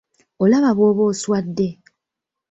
Olaba bw’oba oswadde!